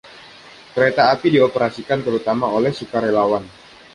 Kereta api dioperasikan terutama oleh sukarelawan.